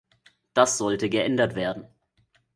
Das sollte geändert werden.